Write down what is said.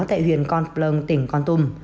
tại huyện con plong tỉnh con tum